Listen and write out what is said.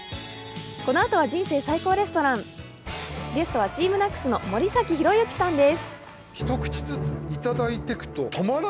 このあとは「人生最高レストラン」ゲストはＴＥＡＭＮＡＣＳの森崎博之さんです。